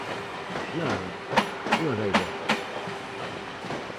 "Nada, unha gaivota".